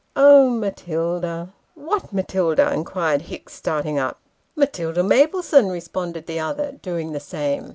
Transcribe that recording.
" Oh, Matilda !"' What Matilda ?" inquired Hicks, starting up. ' Matilda Maplesone," responded the other, doing the same.